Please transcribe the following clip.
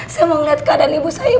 saya mau melihat keadaan ibu saya